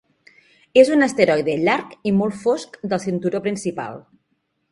És un asteroide llarg i molt fosc del cinturó principal.